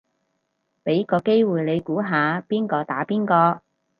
俾個機會你估下邊個打邊個